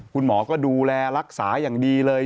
คุณหมอก็ดูแลรักษาอย่างดีเลย